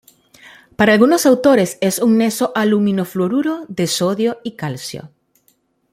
Para algunos autores es un neso-aluminofluoruro de sodio y calcio.